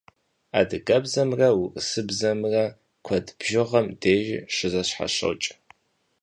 Адыгэбзэмрэ урысыбзэмрэ куэд бжыгъэм дежи щызэщхьэщокӏ.